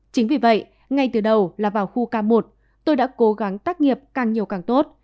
chính vì vậy ngay từ đầu là vào khu k một tôi đã cố gắng tác nghiệp càng nhiều càng tốt